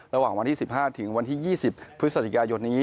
ระหว่างวันที่๑๕ถึงวันที่๒๐พฤศจิกายนนี้